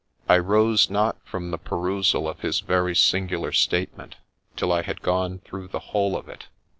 I rose not from the perusal of his very singular statement till I had gone through the whole of it.